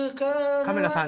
カメラさん